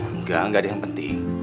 enggak enggak ada yang penting